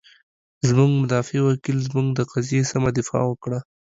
زمونږ مدافع وکیل، زمونږ د قضیې سمه دفاع وکړه.